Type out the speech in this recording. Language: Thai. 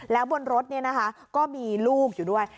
แล้วบนรถนี่นะคะก็มีลูกอยู่ด้วย